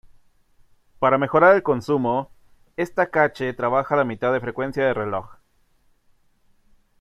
Para mejorar el consumo, esta cache trabaja a la mitad de frecuencia de reloj.